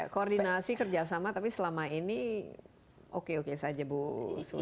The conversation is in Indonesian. koordinasi kerjasama tapi selama ini oke oke saja bu susi